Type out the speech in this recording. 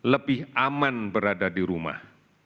lebih aman berada di rumah